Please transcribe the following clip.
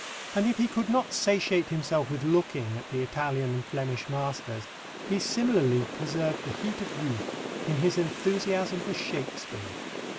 And, if he could not "satiate himself with looking" at the Italian and Flemish masters, he similarly preserved the heat of youth in his enthusiasm for Shakespeare.